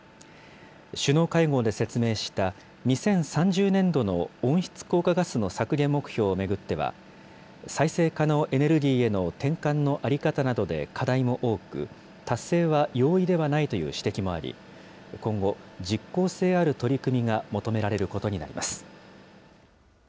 首脳会合で説明した２０３０年度の温室効果ガスの削減目標を巡っては、再生可能エネルギーへの転換の在り方などで課題も多く、達成は容易ではないという指摘もあり、今後、実効性ある取り組みが求められることになります。